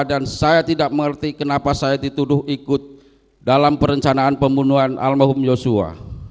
dan saya tidak mengerti kenapa saya dituduh ikut dalam perencanaan pembunuhan al mahum yosua